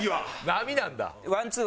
波なんだ。